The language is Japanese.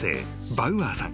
バウアーさん］